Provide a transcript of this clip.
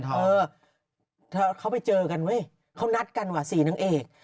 เธอเขาไปเจอกันเว้ยเขานัดกันว่ะสี่นางเอก